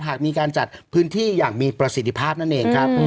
หากมีการจัดพื้นที่อย่างมีประสิทธิภาพนั่นเองครับ